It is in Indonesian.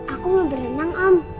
aku mau berenang om